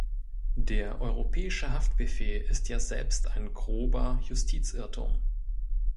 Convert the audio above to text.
Der Europäische Haftbefehl ist ja selbst ein grober Justizirrtum.